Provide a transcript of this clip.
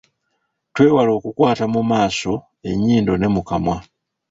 Twewale okukwata mu maaso, ennyindo ne mu kamwa.